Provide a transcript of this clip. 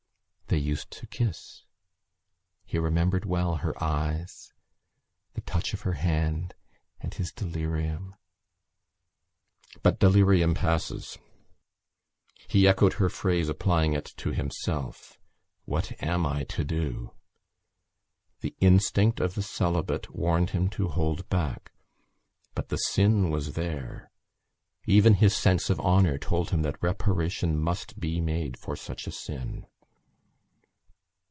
They used to kiss. He remembered well her eyes, the touch of her hand and his delirium.... But delirium passes. He echoed her phrase, applying it to himself: "What am I to do?" The instinct of the celibate warned him to hold back. But the sin was there; even his sense of honour told him that reparation must be made for such a sin.